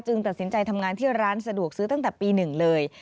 ตัดสินใจทำงานที่ร้านสะดวกซื้อตั้งแต่ปี๑เลย